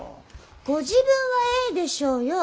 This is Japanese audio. ご自分はええでしょうよ。